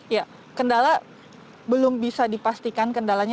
ya kendala belum bisa dipastikan kendalanya